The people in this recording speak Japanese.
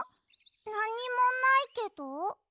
なにもないけど？